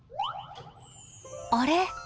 あれ？